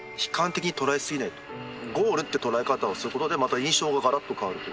ゴールって捉え方をすることでまた印象ががらっと変わると。